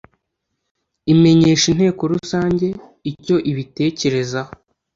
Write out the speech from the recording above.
imenyesha inteko rusange icyo ibitekerezaho .